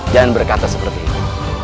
jangan berkata seperti itu